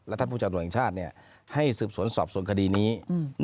และท่านผู้จัดตัวเองชาติเนี่ยให้สืบสวนสอบส่วนคดีนี้อืม